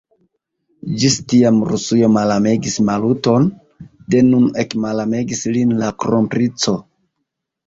Ĝis tiam Rusujo malamegis Maluton, de nun ekmalamegis lin la kronprinco.